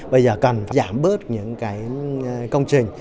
bây giờ cần giảm bớt những cái công trình